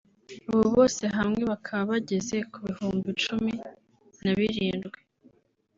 ubu bose hamwe bakaba bageze ku bihumbi cumin a birindwi